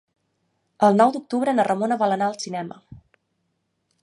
El nou d'octubre na Ramona vol anar al cinema.